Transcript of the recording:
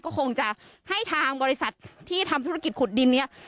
ก็คงจะให้ทางบริษัทที่ทำธุรกิจขุดดินนี้